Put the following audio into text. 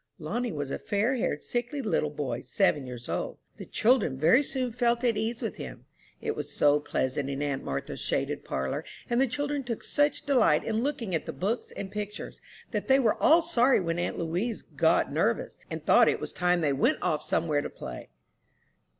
Lonnie was a fair haired, sickly little boy, seven years old. The children very soon felt at ease with him. It was so pleasant in aunt Martha's shaded parlor, and the children took such delight in looking at the books and pictures, that they were all sorry when aunt Louise "got nervous," and thought it was time they went off somewhere to play.